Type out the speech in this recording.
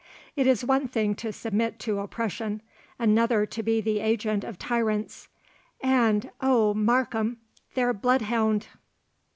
—It is one thing to submit to oppression, another to be the agent of tyrants—And O, Markham—their bloodhound!"